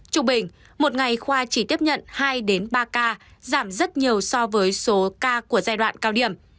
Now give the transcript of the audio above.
trung bình một ngày khoa chỉ tiếp nhận hai ba ca giảm rất nhiều so với số ca của giai đoạn cao điểm